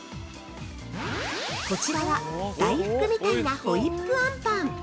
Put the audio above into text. こちらは「大福みたいなホイップあんぱん」！